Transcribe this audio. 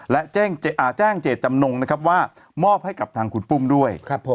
และแจ้งเจตจำนงนะครับว่ามอบให้กับทางคุณปุ้มด้วย